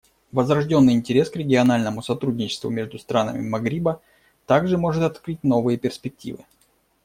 Возрожденный интерес к региональному сотрудничеству между странами Магриба также может открыть новые перспективы.